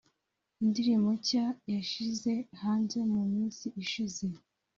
indirimbo nshya yashyize hanze mu minsi ishize